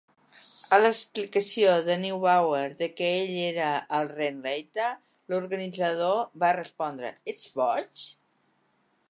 A l'explicació de Neubauer de que ell era el "Rennleiter", l'organitzador va respondre: Ets boig?